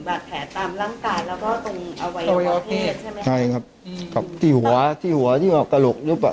บาดแผลตามรังกายแล้วก็ตรงเอาไว้เอาเพศใช่ไหมใช่ครับอืมครับที่หัวที่หัวที่แบบกระหลุกหรือเปล่า